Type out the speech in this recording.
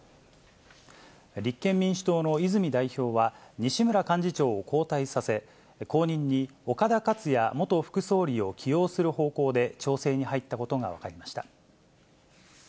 立憲民主党の泉代表は、西村幹事長を交代させ、後任に岡田克也元副総理を起用する方向で調整に入ったことが分かりました。